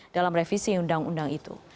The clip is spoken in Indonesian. dalam revisi undang undang itu